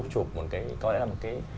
chụp một cái có lẽ là một cái